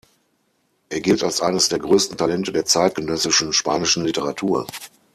Er gilt als eines der größten Talente der zeitgenössischen spanischen Literatur.